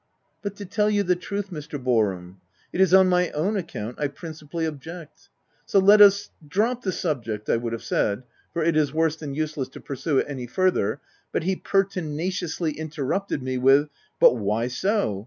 " But to tell you the truth Mr. Boarham, it is on my own account I principally object ; so let us drop the subject," I would have said, " for it is worse than useless to pursue it any farther," but he pertinaciously interrupted me with — Ci But why so